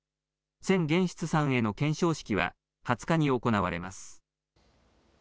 千玄室さんへの顕彰式は２０日に行われます。